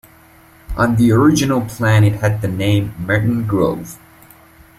On the original plan it had the name "Merton Grove".